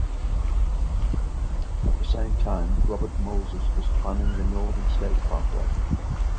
At the same time Robert Moses was planning the Northern State Parkway.